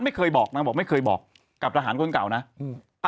ไม่เคยบอกนางบอกไม่เคยบอกกับทหารคนเก่านะอืม